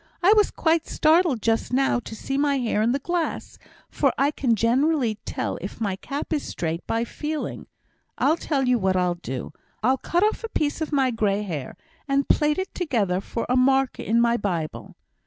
I was quite startled just now to see my hair in the glass, for I can generally tell if my cap is straight by feeling. I'll tell you what I'll do I'll cut off a piece of my grey hair, and plait it together for a marker in my Bible!"